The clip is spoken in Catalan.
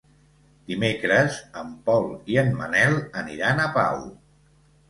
Dimecres en Pol i en Manel aniran a Pau.